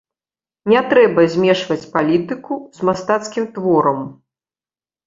Не трэба змешваць палітыку з мастацкім творам.